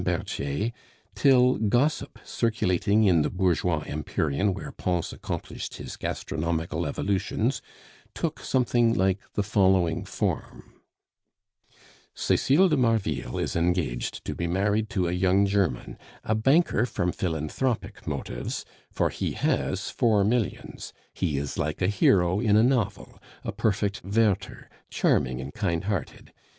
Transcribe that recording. Berthier, till gossip circulating in the bourgeois empyrean where Pons accomplished his gastronomical evolutions took something like the following form: "Cecile de Marville is engaged to be married to a young German, a banker from philanthropic motives, for he has four millions; he is like a hero in a novel, a perfect Werther, charming and kind hearted.